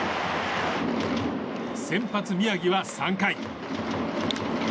先発、宮城は３回。